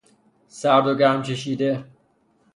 سردوگرم چشیده